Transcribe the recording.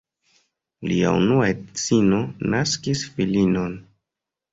Lia unua edzino naskis filinon.